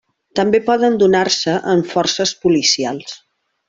També poden donar-se en forces policials.